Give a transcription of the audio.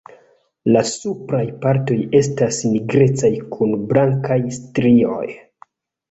La supraj partoj estas nigrecaj kun blankaj strioj.